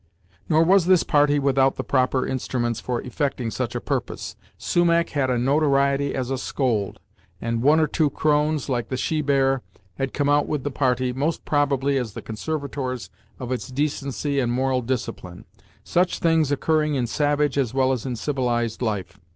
Nor was this party without the proper instruments for effecting such a purpose. Sumach had a notoriety as a scold, and one or two crones, like the She Bear, had come out with the party, most probably as the conservators of its decency and moral discipline; such things occurring in savage as well as in civilized life.